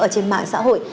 trên mạng xã hội